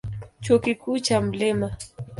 Chuo Kikuu cha Mt.